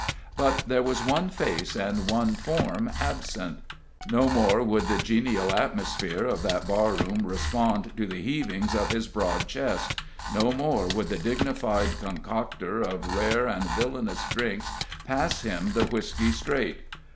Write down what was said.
But there was one face and one form absent. No more would the genial atmosphere of that barroom respond to the heavings of his broad chest, no more would the dignified concoctor of rare and villainous drinks pass him the whisky straight.